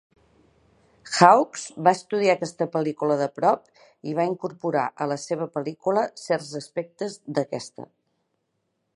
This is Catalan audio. Hawks va estudiar aquesta pel·lícula de prop i va incorporar a la seva pel·lícula certs aspectes d'aquesta.